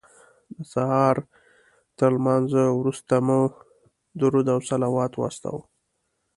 د سهار تر لمانځه وروسته مو درود او صلوات واستاوه.